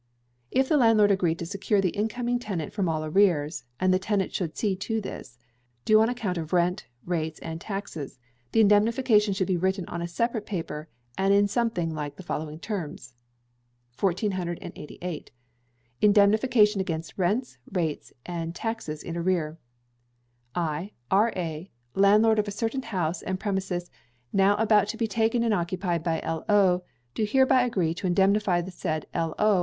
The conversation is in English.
If the landlord agree to secure the incoming tenant from all arrears (and the tenant should see to this) due on account of rent, rates, and taxes, the indemnification should be written on a separate paper, and in something like the following terms: 1488. Indemnification against Rents, Rates and Taxes in Arrear. I, R.A., landlord of a certain house and premises now about to be taken and occupied by L.O., do hereby agree to indemnify the said L.O.